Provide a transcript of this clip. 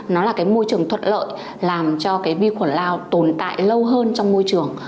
nó là môi trường thuật lợi làm cho vi khuẩn lao tồn tại lâu hơn trong môi trường